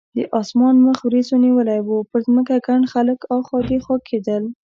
د اسمان مخ وریځو نیولی و، پر ځمکه ګڼ خلک اخوا دیخوا کېدل.